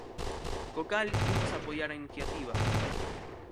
Co cal, imos apoiar a iniciativa.